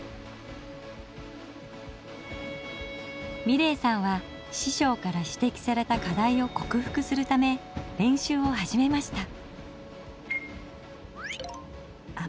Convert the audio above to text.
美礼さんは師匠から指摘された課題をこくふくするため練習を始めました。